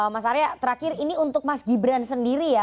mas arya terakhir ini untuk mas gibran sendiri ya